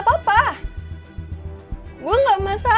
harusnya dia mbak